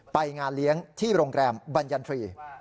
ไปงานเลี้ยงที่โรงแรมบรรยันทรี